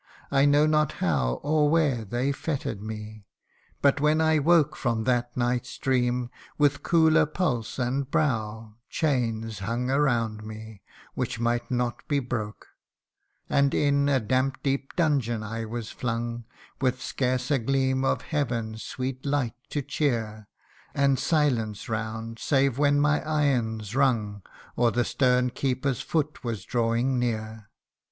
I know not how Or where they fetter'd me ; but when I woke From that night's dream, with cooler pulse and brow, Chains hung around me, which might not be broke, And in a damp deep dungeon I was flung, With scarce a gleam of heaven's sweet light to cheer, And silence round, save when my irons rung, Or the stern keeper's foot was drawing near.